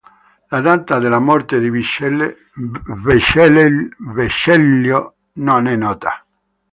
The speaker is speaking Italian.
La data della morte di Vecellio non è nota.